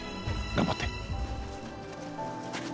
頑張って。